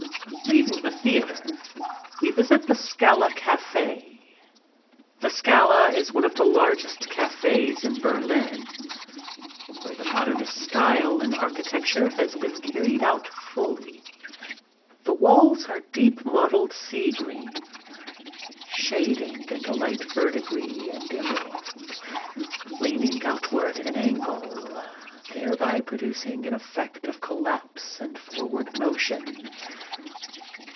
Leaving the theater, we visit the Scala Cafe, a sort of impressionistic casino. The Scala is one of the largest cafes in Berlin, where the modernist style in architecture has been carried out fully. The walls are deep mottled sea green, shading into light verdigris and emerald, leaning outward at an angle, thereby producing an effect of collapse and forward motion.